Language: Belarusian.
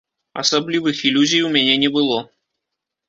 Асаблівых ілюзій у мяне не было.